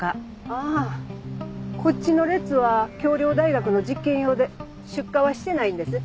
ああこっちの列は京陵大学の実験用で出荷はしてないんです。